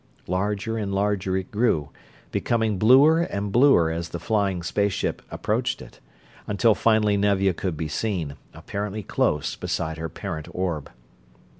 Larger and larger it grew, becoming bluer and bluer as the flying space ship approached it, until finally Nevia could be seen, apparently close beside her parent orb.